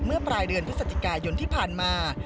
เมื่อปลายเดือนพฤศจิกายนที่ผ่านมา